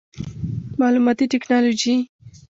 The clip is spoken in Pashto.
معلوماتي ټکنالوجي